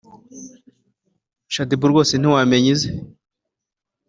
shaddyBoo rwose ntiwamenya ize